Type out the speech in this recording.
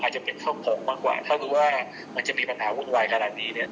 อาจจะเป็นครอบครัวมากกว่าถ้าดูว่ามันจะมีปัญหาวุ่นวายขนาดนี้เนี่ย